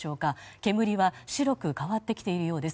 煙は白く変わってきているようです。